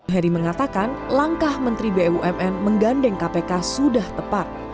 heri mengatakan langkah menteri bumn menggandeng kpk sudah tepat